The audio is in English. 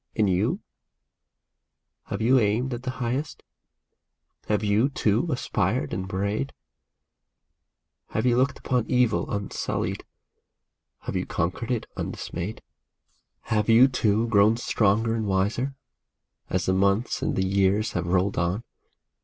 And you ? Have you aimed at the highest ? Have you, too, aspired and prayed ? Have you looked upon evil unsullied ? have you conquered it undismayed ? Have you, too, grown stronger and wiser, as the months and the years have rolled on